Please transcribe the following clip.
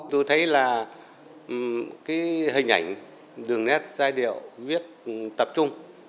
tôi thấy là cái hình ảnh đường nét giai điệu viết tập trung